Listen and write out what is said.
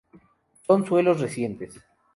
Son suelos recientes,